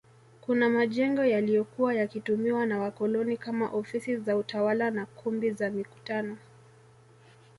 Kuna majengo yaliyokuwa yakitumiwa na wakoloni kama ofisi za utawala na kumbi za mikutano